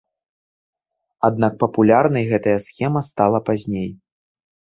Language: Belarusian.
Аднак папулярнай гэтая схема стала пазней.